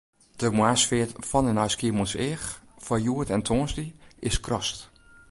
De moarnsfeart fan en nei Skiermûntseach foar hjoed en tongersdei is skrast.